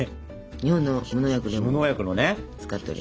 日本の無農薬レモンを使っております。